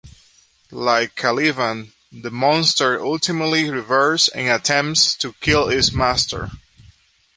Like Caliban, the monster ultimately rebels and attempts to kill its master.